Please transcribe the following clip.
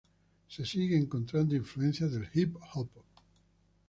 Se sigue encontrando influencias del hip hop.